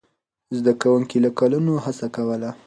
زده کوونکي له کلونو هڅه کوله.